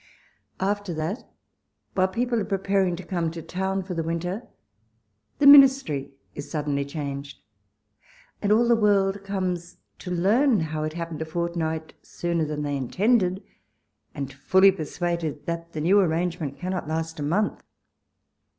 After that, while people are preparing to come to town for the winter, the Ministry is suddenly changed, and all the world comes to learn how it happened, a fort night sooner than they intended ; and fully per suaded that the new arrangement cannot last a month.